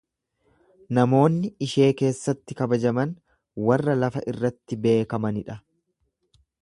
Namoonni ishee keessatti kabajaman warra lafa irratti beekamani dha.